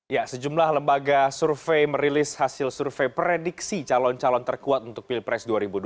ya sejumlah lembaga survei merilis hasil survei prediksi calon calon terkuat untuk pilpres dua ribu dua puluh